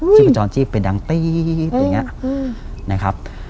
ชีพจรจิ๊บเป็นดังตี๊บ